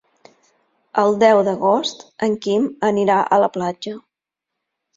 El deu d'agost en Quim anirà a la platja.